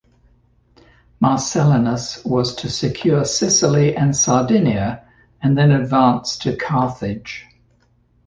Marcellinus was to secure Sicily and Sardinia and then advance to Carthage.